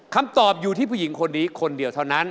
คำตอบอยู่ที่ผู้หญิงคนนี้คนเดียวเท่านั้น